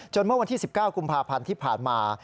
เมื่อวันที่๑๙กุมภาพันธ์ที่ผ่านมา